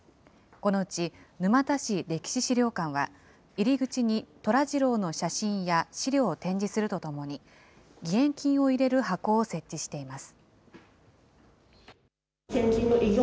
このうち、沼田市歴史資料館は、入り口に寅次郎の写真や資料を展示するとともに、義援金を入れる箱を設置しています。